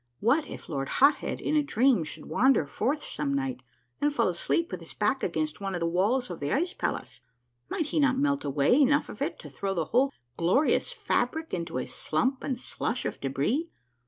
What if Lord Hot Head in a dream should wander forth some night and fall asleep with his back against one of the walls of the ice palace ? Might he not melt away enough of it to throw the whole glorious fabric into a slump and slush of debris?